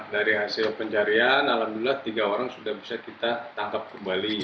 dari hasil pencarian alhamdulillah tiga orang sudah bisa kita tangkap kembali